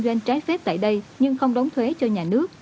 công ty đang kinh doanh trái phép tại đây nhưng không đóng thuế cho nhà nước